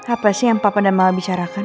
apa sih yang papa dan mama bicarakan